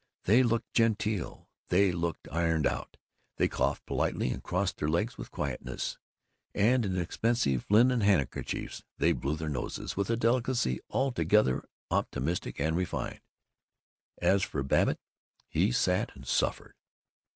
They looked genteel. They looked ironed out. They coughed politely, and crossed their legs with quietness, and in expensive linen handkerchiefs they blew their noses with a delicacy altogether optimistic and refined. As for Babbitt, he sat and suffered.